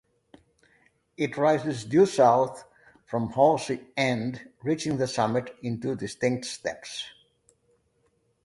It rises due south from Hawse End, reaching the summit in two distinct steps.